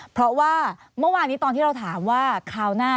เพราะว่าเมื่อวานนี้ตอนที่เราถามว่าคราวหน้า